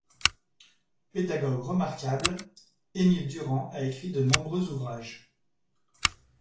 Pédagogue remarquable, Émile Durand a écrit de nombreux ouvrages.